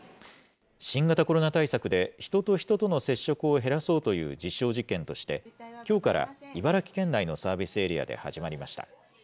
新型コロナ対策で、人と人との接触を減らそうという実証実験として、きょうから茨城県内のサービスエリアで始まりました。